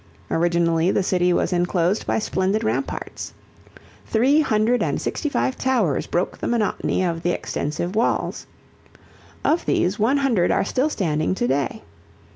Originally the city was enclosed by splendid ramparts. Three hundred and sixty five towers broke the monotony of the extensive walls. Of these one hundred are still standing today.